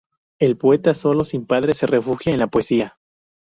El poeta, solo, sin padre se refugia en la poesía.